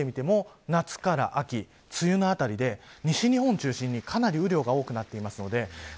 過去の例を見てみても夏から秋、梅雨のあたりで西日本を中心にかなり雨量が多くなっています。